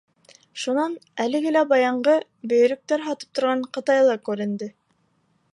Шунан, әлеге лә баяғы, бөйөрөктәр һатып торған ҡытайлы күренде.